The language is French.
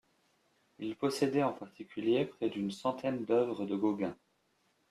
Il possédait en particulier près d'une centaine d'œuvres de Gauguin.